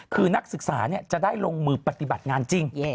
คือนักศึกษาจะได้ลงมือปฏิบัติงานจริง